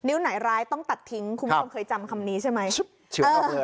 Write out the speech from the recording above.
ไหนร้ายต้องตัดทิ้งคุณผู้ชมเคยจำคำนี้ใช่ไหม